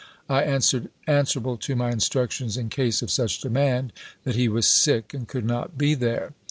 "I answered, answerable to my instructions in case of such demand, that he was sick, and could not be there.